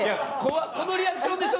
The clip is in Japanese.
このリアクションでしょ？